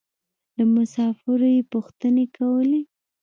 له مسافرو يې پوښتنې کولې.